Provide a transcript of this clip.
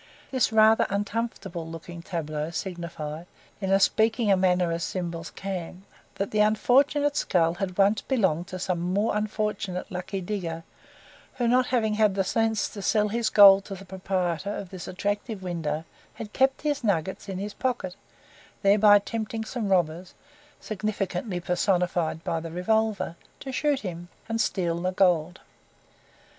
This rather uncomfortable looking tableau signified in as speaking a manner as symbols can that the unfortunate skull had once belonged to some more unfortunate lucky digger, who not having had the sense to sell his gold to the proprietor of this attractive window had kept his nuggets in his pocket, thereby tempting some robbers significantly personified by the revolver to shoot him, and steal the gold.